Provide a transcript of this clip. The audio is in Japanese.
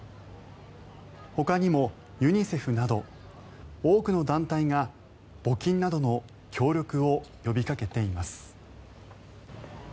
ほかにもユニセフなど多くの団体が募金などの協力を呼びかけています。